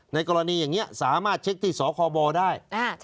กรณีอย่างนี้สามารถเช็คที่สคบได้